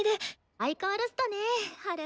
相変わらずだねハル。